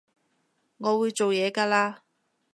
我會做嘢㗎喇